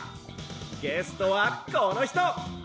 ゲストはこのひと！」。